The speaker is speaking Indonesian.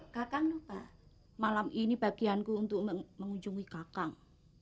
kakak lupa malam ini bagianku untuk mengunjungi kakang